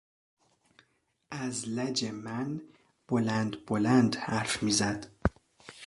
از لج من بلند بلند حرف میزد.